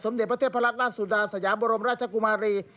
สมเด็จประเทศพระราชราชสุดาสยบรมราชกุมารี